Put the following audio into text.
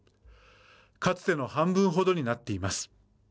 かつての半分程になっています。